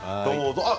どうぞ。